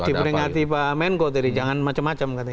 diperingati pak menko tadi jangan macam macam katanya